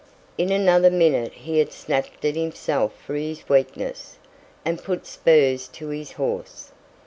In another minute he had snapped at himself for his weakness, and put spurs to his horse.